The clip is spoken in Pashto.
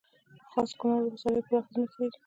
خاص کونړ ولسوالۍ پراخې ځمکې لري